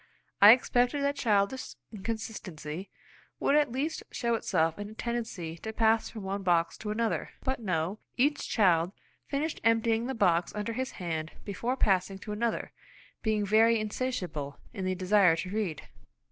I expected that childish inconstancy would at least show itself in a tendency to pass from one box to another; but no, each child finished emptying the box under his hand before passing to another, being verily insatiable in the desire to read.